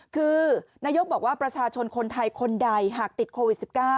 คือนายกบอกว่าประชาชนคนไทยคนใดหากติดโควิด๑๙